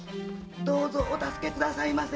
どうぞお助けくださいませ。